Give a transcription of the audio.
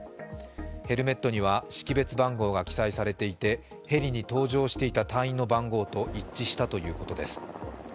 ヘルメットには、識別番号が記載されていて、ヘリに搭乗していた隊員の番号と一致したということです。